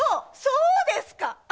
そうですか！